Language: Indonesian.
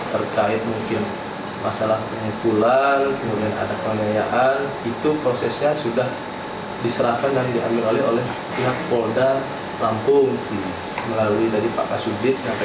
terkait mungkin masalah pemukulan kemudian ada pengayaan itu prosesnya sudah diserahkan dan diambil oleh pihak polda lampung melalui dari pak kasudit